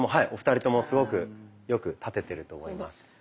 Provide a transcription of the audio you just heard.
お二人ともすごくよく立ててると思います。